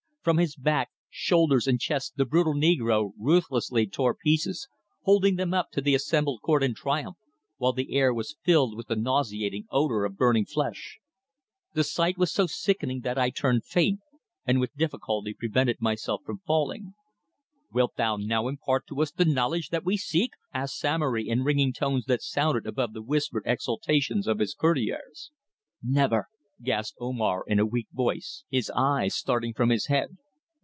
From his back, shoulders, and chest the brutal negro ruthlessly tore pieces, holding them up to the assembled court in triumph, while the air was filled with the nauseating odour of burning flesh. The sight was so sickening that I turned faint, and with difficulty prevented myself from falling. "Wilt thou now impart to us the knowledge that we seek?" asked Samory in ringing tones that sounded above the whispered exultations of his courtiers. "Never," gasped Omar in a weak voice, his eyes starting from his head.